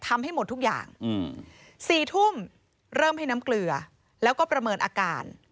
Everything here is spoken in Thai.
ทำให้หมดทุกอย่าง๔ทุ่มเริ่มให้น้ำเกลือแล้วก็ประเมินอาการ